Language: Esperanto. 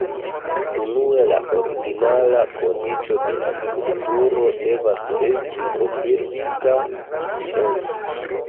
Unue, la originala kondiĉo de la strukturo devas esti konfirmita science.